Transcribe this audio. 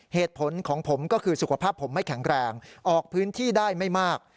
เหตุผลของผมก็คือสุขภาพผมไม่แข็งแรงออกพื้นที่ได้ไม่มาก